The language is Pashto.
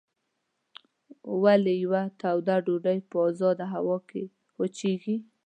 ولې یوه توده ډوډۍ په ازاده هوا کې وچیږي؟